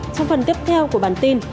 trong phần tiếp theo của bản tin